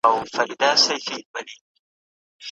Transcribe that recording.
ډيپلوماتيکي ناستې د شکونو د لیرې کولو لپاره دي.